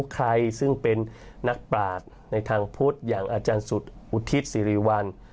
ใครซึ่งเป็นนักปราศในทางพุทธอย่างอาจารย์สุดอุทิศสิริวัล